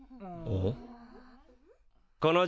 あっ。